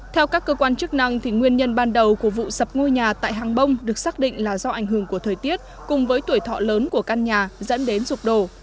theo các cơ quan chức năng nguyên nhân ban đầu của vụ sập ngôi nhà tại hàng bông được xác định là do ảnh hưởng của thời tiết cùng với tuổi thọ lớn của căn nhà dẫn đến rục đổ